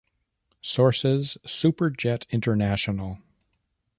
Sources: SuperJet International.